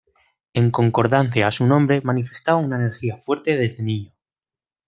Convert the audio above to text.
En concordancia a su nombre manifestaba una energía fuerte desde niño.